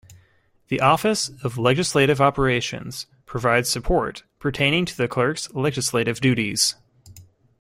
The Office of Legislative Operations provides support pertaining to the Clerk's legislative duties.